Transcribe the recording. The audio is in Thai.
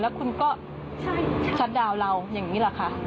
แล้วคุณก็ชัดดาวน์เราอย่างนี้แหละค่ะ